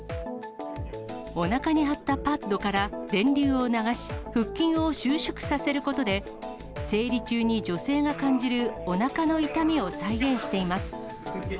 おなかに貼ったパッドから電流を流し、腹筋を収縮させることで、生理中に女性が感じるおなかの痛みを再現しています。